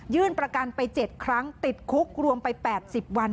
ประกันไป๗ครั้งติดคุกรวมไป๘๐วัน